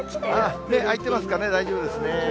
目開いてますかね、大丈夫ですね。